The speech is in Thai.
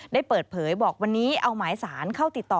ได้เปิดเผยบอกวันนี้เอาหมายสารเข้าติดต่อ